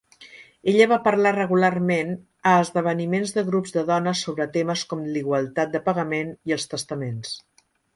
Ella va parlar regularment a esdeveniments de grups de dones sobre temes com l'igualtat de pagament i els testaments.